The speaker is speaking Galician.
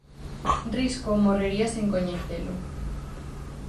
Risco morrería sen coñecelo.